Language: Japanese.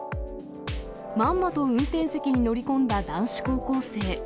まんまと運転席に乗り込んだ男子高校生。